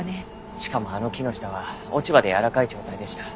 しかもあの木の下は落ち葉でやわらかい状態でした。